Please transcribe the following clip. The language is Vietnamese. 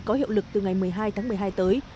có hiệu lực từ ngày một mươi hai tháng một mươi hai tới